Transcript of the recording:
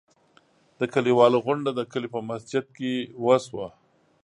د کلیوالو غونډه د کلي په مسجد کې وشوه.